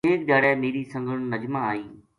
ایک دھیاڑے میری سنگن نجمہ آئی